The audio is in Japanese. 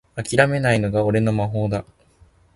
あきらめないのが俺の魔法だ